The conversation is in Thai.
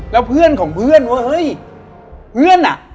แล้วเพื่อนของเพื่อนว่าเฮ้ยเพื่อนอ่ะ